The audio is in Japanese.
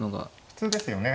普通ですよね。